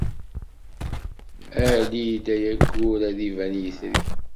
Ali-d ay aggur ad d-iban yitri.